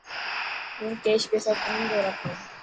هون ڪيش پيسا ڪونه ٿو رکان.